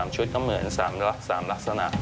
ชุดก็เหมือน๓ลักษณะ